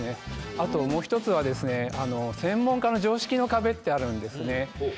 あともう１つは専門家の常識の壁ってあるんですね。